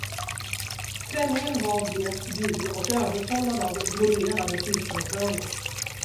Klänningen var blekt gul och översållad av broderade tusenskönor.